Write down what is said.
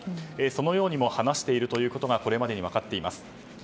そのようにも話していることがこれまでに分かっています。